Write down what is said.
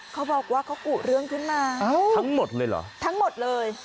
เขาบอกว่าเขากุเรื่องขึ้นมาทั้งหมดเลยเหรอทั้งหมดเลย